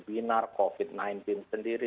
binar covid sembilan belas sendiri